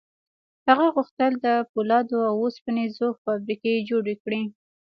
هغه غوښتل د پولادو او اوسپنې ذوب فابریکې جوړې کړي